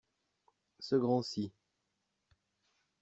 Ce grand-ci.